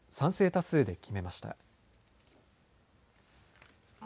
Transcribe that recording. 多数で決めました。